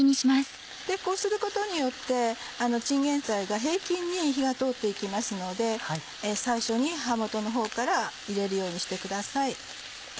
こうすることによってチンゲンサイが平均に火が通って行きますので最初に葉元のほうから入れるようにしてください。